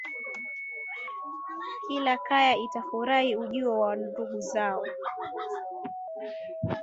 kila kaya itafurahia ujio wa ndugu zao